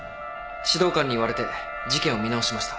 指導官に言われて事件を見直しました。